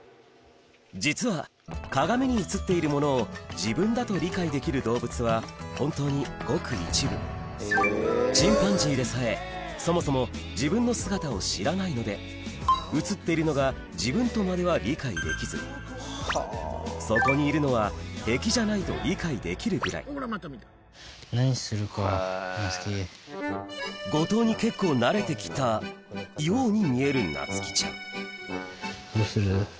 実は鏡に映っているものを自分だと理解できる動物は本当にごく一部チンパンジーでさえそもそも自分の姿を知らないので映っているのが自分とまでは理解できずそこにいるのは敵じゃないと理解できるぐらい後藤に結構なれて来たように見えるなつきちゃんどうする？